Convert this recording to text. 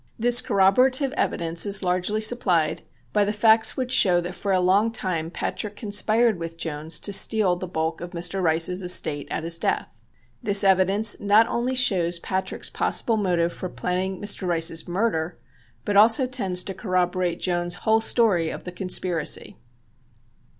This corroborative evidence is largely supplied by the facts which show that for a long time Patrick conspired with Jones to steal the bulk of Mr. Rice's estate at his death. This evidence not only shows Patrick's possible motive for planning Mr. Rice's murder, but also tends to corroborate Jones's whole story of the conspiracy.